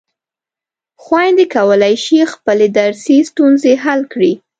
خویندې کولای شي خپلې درسي ستونزې حل کړي.